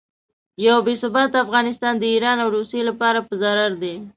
یو بې ثباته افغانستان د ایران او روسیې لپاره په ضرر دی.